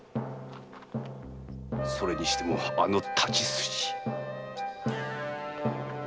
それにしてもあの太刀筋